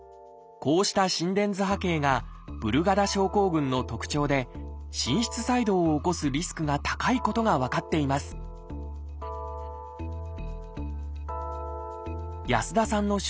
こうした心電図波形がブルガダ症候群の特徴で心室細動を起こすリスクが高いことが分かっています安田さんの主治医